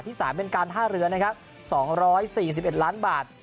ที่สามเป็นการท่าเรือนะครับสองร้อยสี่สิบเอ็ดล้านบาท